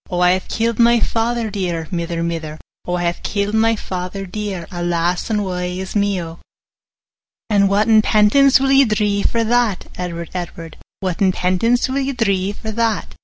20 'O I hae kill'd my father dear, Mither, mither; O I hae kill'd my father dear, Alas, and wae is me, O!' 'And whatten penance will ye dree for that, 25 Edward, Edward? Whatten penance will ye dree for that?